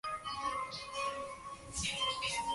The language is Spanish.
El resultado fue una derrota de los austriacos supervivientes.